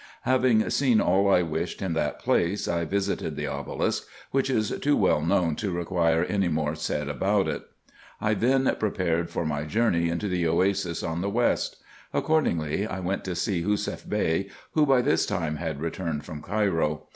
Having seen all I wished in that place, I visited the obelisk, which is too well known to require any more said about it. I then prepared for my journey into the oasis on the west. Accordingly I went to see Hussuff Bey, who by this time had returned from Cairo.